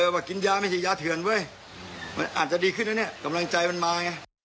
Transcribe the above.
ว่ากินยาไม่ใช่ยาเถื่อนเว้ยมันอาจจะดีขึ้นนะเนี่ยกำลังใจมันมาไง